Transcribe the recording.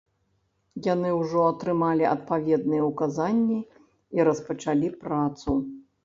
Яны ўжо атрымалі адпаведныя ўказанні і распачалі працу.